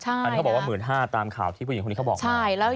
อันนี้เขาบอกว่า๑๕๐๐ตามข่าวที่ผู้หญิงคนนี้เขาบอก